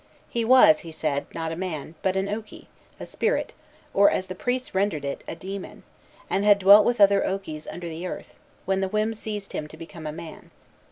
He was, he said, not a man, but an oki, a spirit, or, as the priests rendered it, a demon, and had dwelt with other okies under the earth, when the whim seized him to become a man.